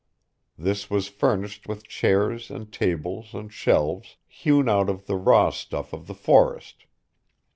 This was furnished with chairs and tables and shelves, hewn out of the raw stuff of the forest.